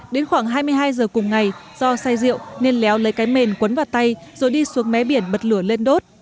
đến khoảng hai mươi hai giờ cùng ngày do say rượu nên léo lấy cái mền quấn vào tay rồi đi xuống mé biển bật lửa lên đốt